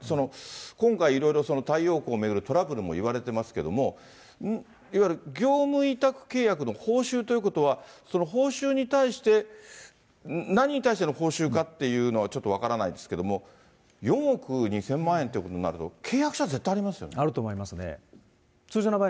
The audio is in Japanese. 今回、いろいろ太陽光を巡るトラブルもいわれてますけれども、いわゆる業務委託契約の報酬ということは、その報酬に対して、何に対しての報酬かっていうのはちょっと分からないですけれども、４億２０００万円っていうことになると、契約書、あると思いますね。